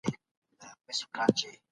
ما د داستاني ادبیاتو تاریخ لوست.